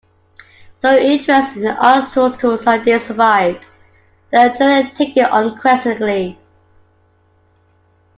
Though interest in Aristotle's ideas survived, they were generally taken unquestioningly.